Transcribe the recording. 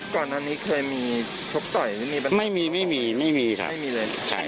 ก่อนอันนี้เคยมีชบต่อยมันมีปัญหาไม่มีไม่มีไม่มีค่ะไม่มีเลยใช่ค่ะ